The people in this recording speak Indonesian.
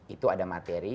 itu ada materi